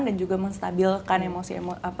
dan juga menstabilkan emosi